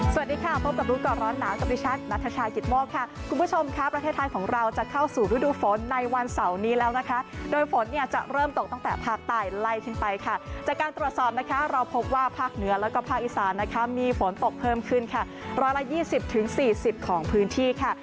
สวัสดีค่ะพบกับรู้ก่อนร้อนหนาวกับดิฉันนัทชายกิตโมกค่ะคุณผู้ชมค่ะประเทศไทยของเราจะเข้าสู่ฤดูฝนในวันเสาร์นี้แล้วนะคะโดยฝนเนี่ยจะเริ่มตกตั้งแต่ภาคใต้ไล่ขึ้นไปค่ะจากการตรวจสอบนะคะเราพบว่าภาคเหนือแล้วก็ภาคอีสานนะคะมีฝนตกเพิ่มขึ้นค่ะ๑๒๐๔๐ของพื้นที่ค่ะ